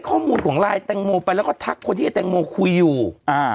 ข้อมูลของไลน์แตงโมไปแล้วก็ทักคนที่ไอแตงโมคุยอยู่อ่า